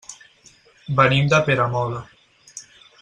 Venim de Peramola.